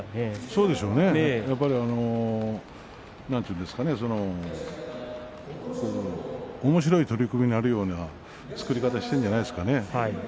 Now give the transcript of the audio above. そうですね。なんていうんですかねおもしろい取組になるような作り方をしているんじゃないですかね。